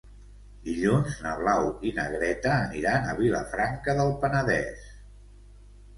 Dilluns na Blau i na Greta aniran a Vilafranca del Penedès.